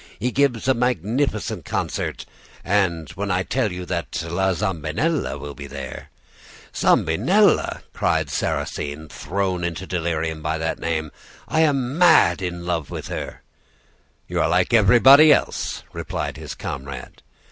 He gives a magnificent concert, and when I tell you that La Zambinella will be there ' "'Zambinella!' cried Sarrasine, thrown into delirium by that name; 'I am mad with love of her.' "'You are like everybody else,' replied his comrade.